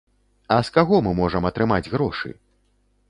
А з каго мы можам атрымаць грошы?